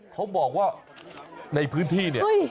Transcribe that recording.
เขาบอกว่าในพื้นที่เนี่ย